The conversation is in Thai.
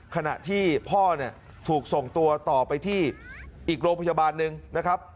ขณะที่พ่อเนี่ยถูกส่งตัวต่อไปที่อีกโรงพยาบาลหนึ่งนะครับ